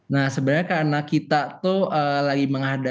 nah sebenarnya karena kita tuh lagi menghadapi